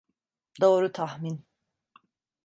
Doğru tahmin.